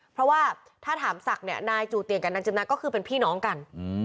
เพราะว่าถ้าถามศักดิ์เนี่ยนายจูเตียงกับนางจิมนะก็คือเป็นพี่น้องกัน